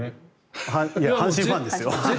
阪神ファンですよ。